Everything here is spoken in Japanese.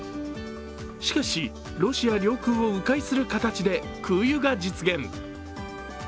しかし、ロシア領空をう回する形で空輸が実現。